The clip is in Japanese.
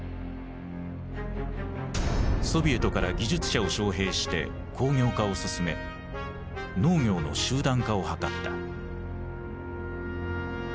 ソビエトから技術者を招へいして工業化を進め農業の集団化を図った。